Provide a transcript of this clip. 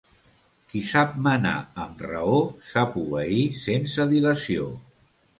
Qui sap manar amb raó, sap obeir sense dilació.